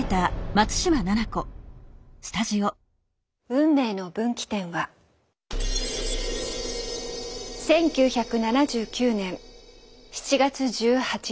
運命の分岐点は１９７９年７月１８日。